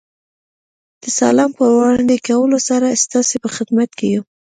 د سلام په وړاندې کولو سره ستاسې په خدمت کې یم.